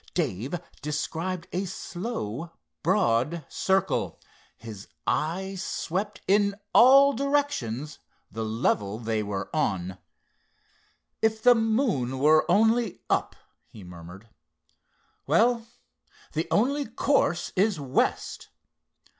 Dave described a slow broad circle. His eye swept in all directions the level they were on. "If the moon were only up," he murmured. "Well, the only course is west.